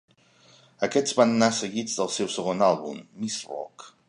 Aquests van anar seguits del seu segon àlbum, "Mizrock".